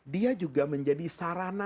dia juga menjadi sarana yang memungkinkan